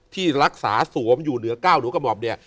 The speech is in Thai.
ที่รักษาสวมอยู่เหนือเก้าหรูกมอบเนี่ย